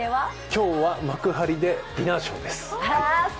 今日は、幕張でディナーショーです。